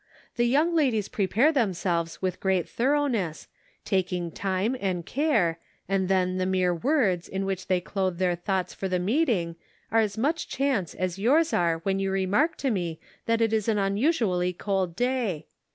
The young ladies pre pare themselves with great thoroughness, taking time and care, and then the mere words in which they clothe their thoughts for the meet ing are as much chance as yours are when you " G ood Measure" 503 remark to me that it is an unusually cold day.